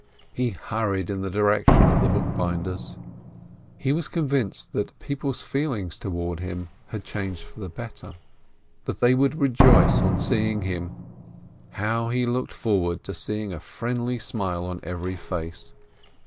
He hurried in the direction of the bookbinder's. He was convinced that people's feelings toward him had changed for the better, that they would rejoice on seeing him. How he looked forward to seeing a friendly smile on every face